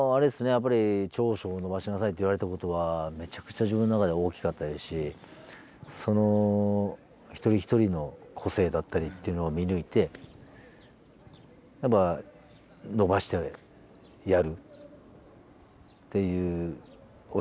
やっぱり長所を伸ばしなさいって言われたことはめちゃくちゃ自分の中で大きかったですし一人一人の個性だったりっていうのを見抜いてやっぱ伸ばしてやるっていう指導者になりたいですよね。